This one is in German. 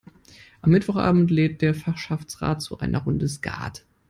Am Mittwochabend lädt der Fachschaftsrat zu einer Runde Skat.